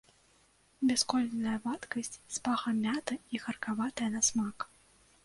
Бясколерная вадкасць з пахам мяты і гаркаватая на смак.